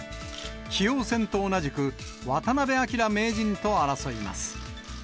棋王戦と同じく、渡辺明名人と争います。